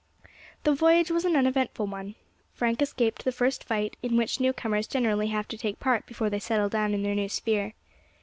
The voyage was an uneventful one; Frank escaped the first fight in which new comers generally have to take part before they settle down in their new sphere.